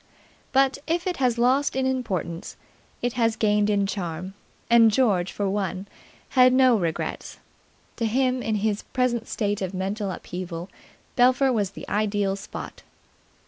But, if it has lost in importance, it has gained in charm; and George, for one, had no regrets. To him, in his present state of mental upheaval, Belpher was the ideal spot.